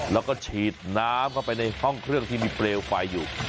แล้วก็ฉีดน้ำเข้าไปในห้องเครื่องที่มีเปลวไฟอยู่